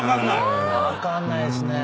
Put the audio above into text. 分かんないですね。